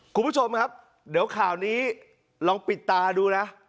คุณผู้ชมครับเดี๋ยวข่าวนี้ลองปิดตาดูนะ